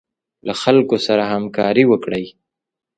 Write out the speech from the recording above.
له خلکو سره همکاري وکړئ.